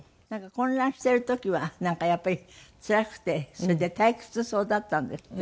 混乱している時はやっぱりつらくてそれで退屈そうだったんですって？